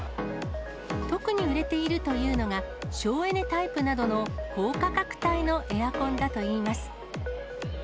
特に売れているというのが、省エネタイプなどの高価格帯のエアコンだといいます。